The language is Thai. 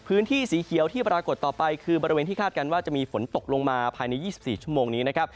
พื้นที่สีเขียวที่ปรากฏต่อไปคือบริเวณที่คาดการณ์ว่าจะมีฝนตกลงมาภายใน๒๔ชั่วโมงนี้นะครับ